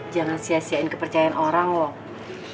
jangan sia siain kepercayaan orang loh